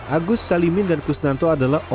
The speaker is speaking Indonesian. agus salimin dan kusnanto adalah